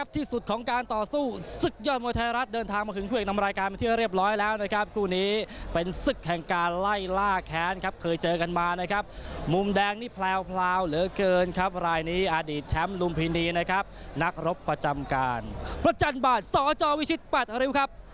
ที่สุดของการต่อสู้ศึกยอดมวยไทยรัฐเดินทางมาถึงผู้เอกนำรายการมาเที่ยวเรียบร้อยแล้วนะครับคู่นี้เป็นศึกแห่งการไล่ล่าแค้นครับเคยเจอกันมานะครับมุมแดงนี่แพลวเหลือเกินครับรายนี้อดีตแชมป์ลุมพินีนะครับนักรบประจำการประจันบาดสจวิชิตปัดอริวครับ